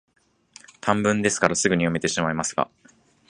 短文ですから、すぐに読めてしまいますが、